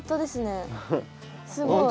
すごい。